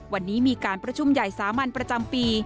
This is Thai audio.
วันนี้มีการประชุมใหญ่สามัญประจำปี